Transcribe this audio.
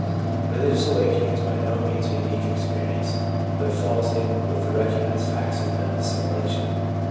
Religious awakening is by no means a unique ex perience, but falls in with the recognised facts of mental assimilation.